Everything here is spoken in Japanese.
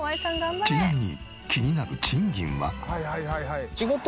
ちなみに気になる賃金は。